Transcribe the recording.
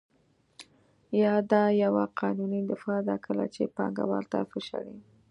یا دا یوه قانوني دفاع ده کله چې پانګوال تاسو شړي